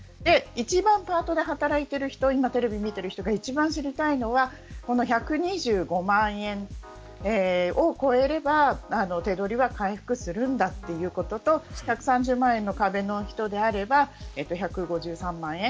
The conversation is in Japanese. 一番パートで働いている人テレビを見ている人が一番知りたいのは１２５万円超えれば手取りは回復するんだということと１３０万円の壁の人であれば１５３万円。